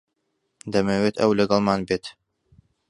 دەمەوێت ئەو لەگەڵمان بێت.